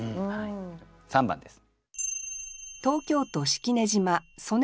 ３番です。